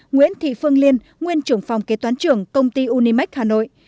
nguyễn thị phương liên nguyên trưởng phòng kế toán trưởng công ty unimec hà nội